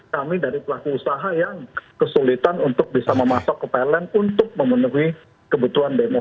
kami dari pelaku usaha yang kesulitan untuk bisa memasok ke pln untuk memenuhi kebutuhan demo